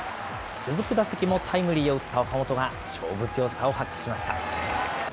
続く打席もタイムリーを打った岡本が勝負強さを発揮しました。